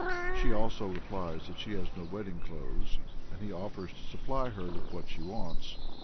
She, also, replies that she has no wedding clothes, and he offers to supply her with what she wants.